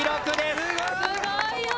すごいよ。